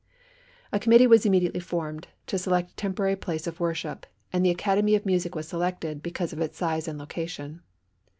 A committee was immediately formed to select a temporary place of worship, and the Academy of Music was selected, because of its size and location.